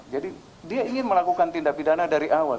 jadi dia ingin melakukan tindak pidana dari awal